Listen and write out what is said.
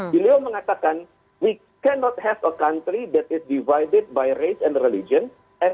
beliau mengatakan kita tidak bisa memiliki negara yang dibagi dengan ras dan agama